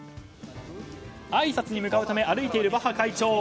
あいさつに向かうため歩いているバッハ会長。